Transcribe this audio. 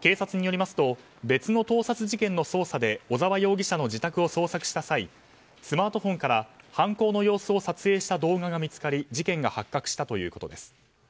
警察によりますと別の盗撮事件の捜査で小沢容疑者の自宅を捜索した際スマートフォンから犯行の様子を撮影した動画が見つかり事件が発覚したということです。